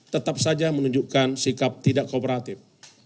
tetap saja menunjukkan sikap tidak kooperatif